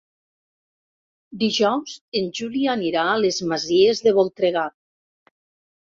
Dijous en Juli anirà a les Masies de Voltregà.